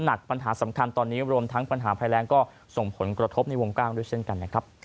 ปัญหาสำคัญตอนนี้รวมทั้งปัญหาภัยแรงก็ส่งผลกระทบในวงกว้างด้วยเช่นกันนะครับ